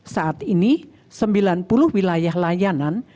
saat ini sembilan puluh wilayah layanan